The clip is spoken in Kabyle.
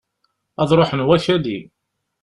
Ad ruḥen wakali!